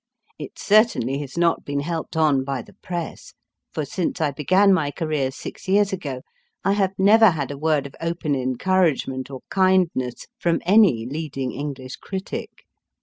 It certainly has not been helped on by the Press, for since I began my career six years ago, I have never had a word of open encouragement or kindness from any leading English critic.